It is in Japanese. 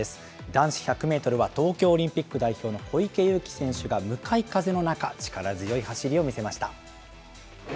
男子１００メートルは、東京オリンピック代表の小池祐貴選手が向かい風の中、力強い走りを見せました。